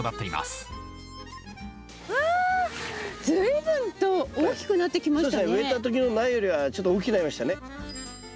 植えた時の苗よりはちょっと大きくなりましたね。